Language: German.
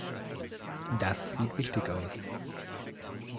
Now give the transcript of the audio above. Das sieht wichtig aus.